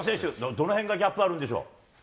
どのへんがギャップあるんでしょう。